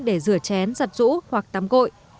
để rửa chén giặt rũ hoặc tắm gội